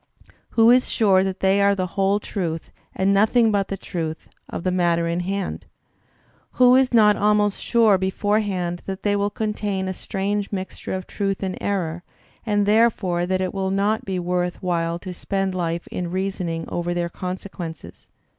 Who is sure that they are the whole truth, and noth ing but the truth, of the matter in hand? Who is not almost sure beforehand that they will contain a strange mixture of truth and error, and therefore that it will not be worth while to spend life in reasoning over their conse quences?